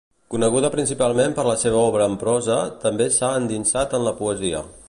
Coneguda principalment per la seva obra en prosa, també s'ha endinsat en la poesia.